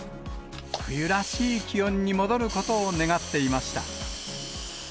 冬らしい気温に戻ることを願っていました。